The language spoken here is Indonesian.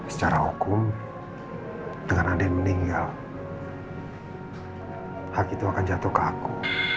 secara hukum dengan ada yang meninggal hak itu akan jatuh ke aku